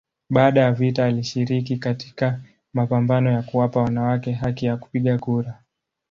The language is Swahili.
Baada ya vita alishiriki katika mapambano ya kuwapa wanawake haki ya kupiga kura.